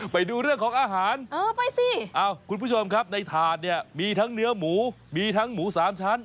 ไปดูเรื่องของอาหารคุณผู้ชมครับในถาดเนี่ยมีทั้งเนื้อหมูมีทั้งหมูสามชั้น